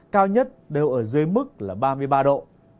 cao nhất đều ở dưới mức là ba mươi ba độ